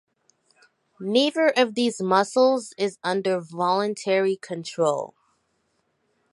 Neither of these muscles is under voluntary control.